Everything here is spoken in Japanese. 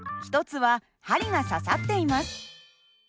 １つは針が刺さっています。